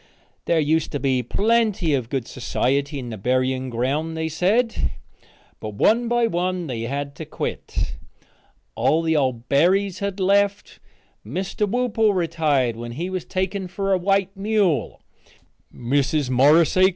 There used to be plenty of good society in the burying ground, they said, but one by one they had to quit. All the old Berrys had left. Mr. Whoople retired when he was taken for a white mule. Mrs. Morris A.